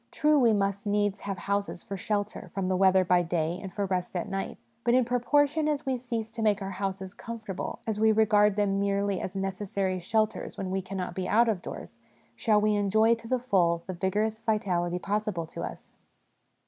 True, we must needs have houses for shelter from the weather by day and for rest at night ; but in proportion as we cease to make our houses ' comfortable,' as we regard them merely as necessary shelters when we cannot be out of doors, shall we enjoy to the full the vigorous vitality possible to us.